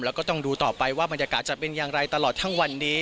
แล้วก็ต้องดูต่อไปว่าบรรยากาศจะเป็นอย่างไรตลอดทั้งวันนี้